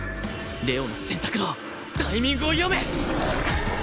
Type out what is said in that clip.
玲王の選択のタイミングを読め！